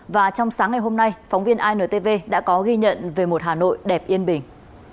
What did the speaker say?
và trong sáng ngày hôm nay phóng viên intv đã có ghi nhận về một hà nội đẹp yên bình